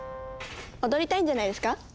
踊りたいんじゃないですか？